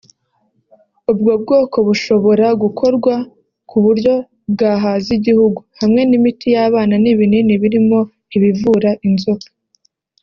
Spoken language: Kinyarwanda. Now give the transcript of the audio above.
ubwo bwoko bushobora gukorwa ku buryo bwahaza igihugu ; hamwe n’imiti y’abana n’ibinini birimo ibivura inzoka